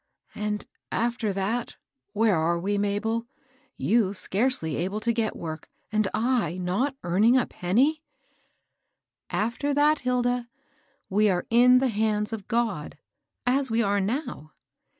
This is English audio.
"And after eAa^, where are we, Mabel, — ycu scarcely able to get work, and / not earning a penny ?"*^ After that, Hilda, we are in the hands of God, as we are now."